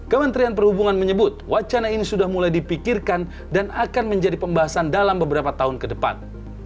kementerian perhubungan menyebut wacana ini sudah mulai dipikirkan dan akan menjadi pembahasan dalam beberapa tahun ke depan